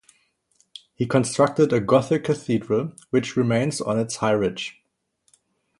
He constructed a Gothic cathedral which remains on its high ridge.